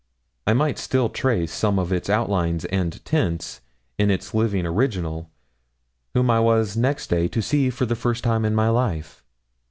I might still trace some of its outlines and tints in its living original, whom I was next day to see for the first time in my life.